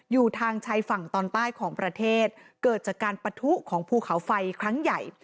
อยู่ทางชายฝั่งตอนใต้ของประเทศเกิดจากการปะทุของภูเขาไฟครั้งใหญ่